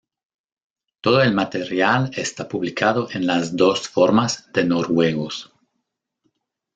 Todo el material está publicado en las dos formas de noruegos.